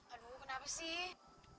aduh kenapa sih